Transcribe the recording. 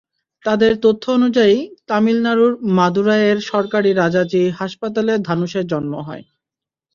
তাঁদের তথ্য অনুযায়ী, তামিলনাড়ুর মাদুরাইয়ের সরকারি রাজাজি হাসপাতালে ধানুশের জন্ম হয়।